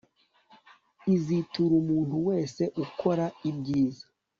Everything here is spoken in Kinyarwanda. izitura umuntu wese ukora ibyiza